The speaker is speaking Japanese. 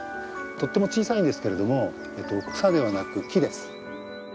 とっても小さいんですけれども草ではなく木です。